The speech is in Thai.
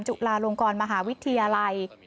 จุฬาลงกรมหาวิทยาลัย